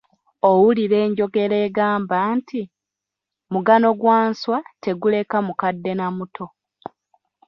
Owulira enjogera egamba nti, "Mugano gwa nswa teguleka mukadde na muto" .